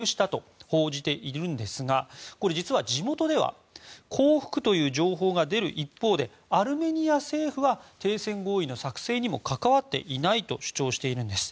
アルメニア系勢力が事実上、降伏したと報じているんですがこれ、実は地元では降伏という情報が出る一方でアルメニア政府は停戦合意の作戦にも関わっていないと主張しているんです。